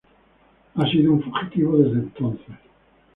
Ha sido un fugitivo desde entonces.